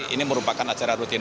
ini merupakan acara rutin